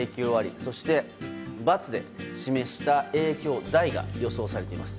そして、×で示した影響大が予想されています。